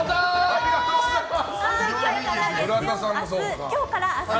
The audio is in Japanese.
ありがとうございます。